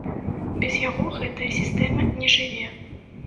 Без яго гэтая сістэма не жыве.